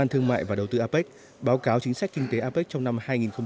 thương mại và đầu tư apec báo cáo chính sách kinh tế apec trong năm hai nghìn hai mươi